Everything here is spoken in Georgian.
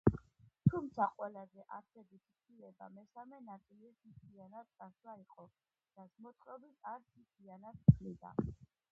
თუმცა ყველაზე არსებითი ცვლილება მესამე ნაწილის მთლიანად წაშლა იყო, რაც მოთხრობის არსს მთლიანად ცვლიდა.